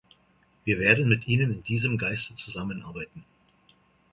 Wir werden mit Ihnen in diesem Geiste zusammenarbeiten.